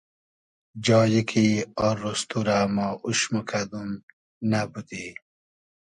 جای کی آر رۉز تو رۂ ما اوش موکئدوم نئبودی